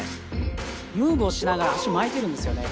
ムーブをしながら足、巻いてるんですよね。